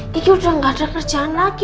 udah gak ada kerjaan lagi